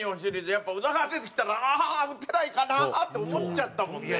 やっぱり宇田川出てきたらああー打てないかなあって思っちゃったもんね。